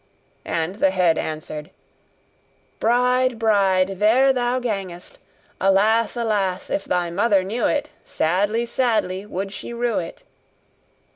and the head answered: 'Bride, bride, there thou gangest! Alas! alas! if thy mother knew it, Sadly, sadly, would she rue it.